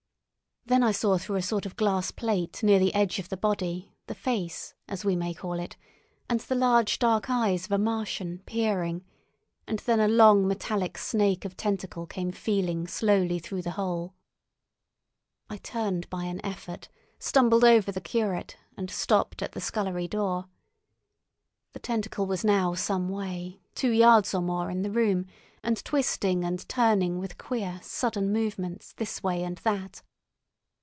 Then I saw through a sort of glass plate near the edge of the body the face, as we may call it, and the large dark eyes of a Martian, peering, and then a long metallic snake of tentacle came feeling slowly through the hole. I turned by an effort, stumbled over the curate, and stopped at the scullery door. The tentacle was now some way, two yards or more, in the room, and twisting and turning, with queer sudden movements, this way and that.